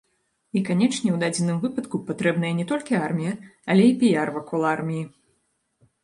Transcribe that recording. І, канечне, у дадзеным выпадку патрэбная не толькі армія, але і піяр вакол арміі.